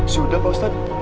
sudah pak ustadz